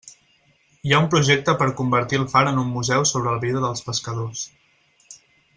Hi ha un projecte per a convertir el far en un museu sobre la vida dels pescadors.